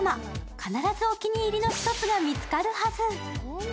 必ずお気に入りの１つが見つかるはず。